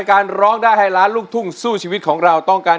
หกหมื่นครับหกหมื่นบาทครับ